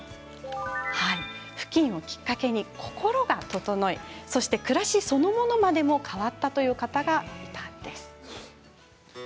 ふきんをきっかけに心が整いそして、暮らしそのものまでもが変わったという方がいたんです。